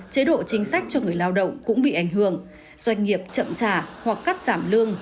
chế độ chính sách cho người lao động cũng bị ảnh hưởng doanh nghiệp chậm trả hoặc cắt giảm lương